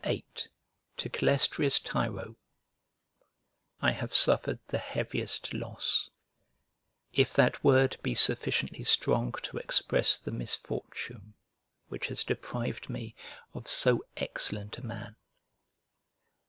VIII To CALESTRIUS TIRO I HAVE suffered the heaviest loss; if that word be sufficiently strong to express the misfortune which has deprived me of so excellent a man.